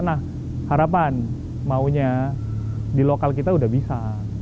nah harapan maunya di lokal kita udah bisa